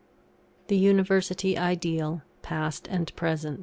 THE UNIVERSITY IDEAL PAST AND PRESENT.